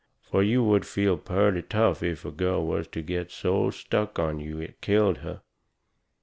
Fur you would feel purty tough if a girl was to get so stuck on you it killed her.